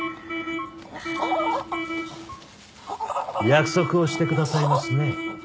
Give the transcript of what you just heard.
約束をしてくださいますね？